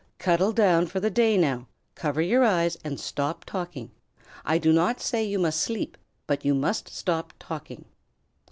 "Cuddle down for the day now, cover your eyes, and stop talking. I do not say you must sleep, but you must stop talking."